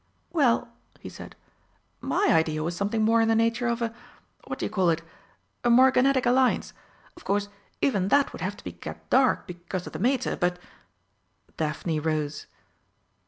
"Well," he said, "my idea was something more in the nature of a what do you call it? a morganatic alliance. Of course even that would have to be kept dark because of the Mater, but " Daphne rose.